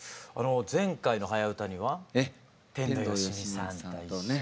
前回の「はやウタ」には天童よしみさんと一緒にね。